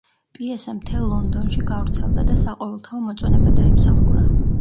პიესა მთელ ლონდონში გავრცელდა და საყოველთაო მოწონება დაიმსახურა.